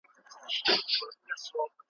ته د پلار ښکنځل لیکلي وه ,